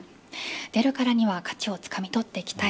出るからには勝ちをつかみ取っていきたい。